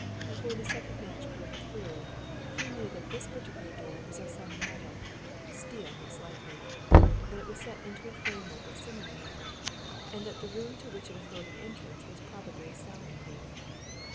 Before the second match burned through he knew that this particular door was of some metal steel, most likely that it was set into a framework of similar metal, and that the room to which it afforded entrance was probably sound proof.